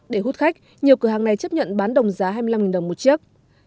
để hút khách nhiều cửa hàng này chấp nhận bán đồng giá hai mươi năm đồng một chiếc